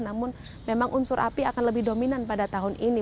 namun memang unsur api akan lebih dominan pada tahun ini